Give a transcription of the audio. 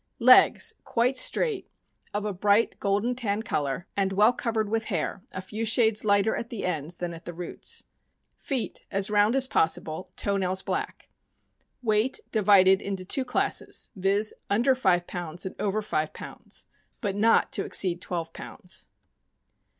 Legs quite straight, of a bright, golden tan color, and well covered with hair, a few shades lighter at the ends than at the roots. Feet as round as possible; toe nails black. Weight divided into two classes, viz. , under five pounds and over five pounds, but not to exceed twelve pounds.